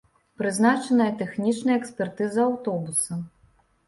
Прызначаная тэхнічная экспертыза аўтобуса.